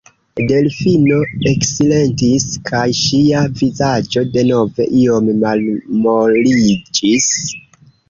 Delfino eksilentis, kaj ŝia vizaĝo denove iom malmoliĝis.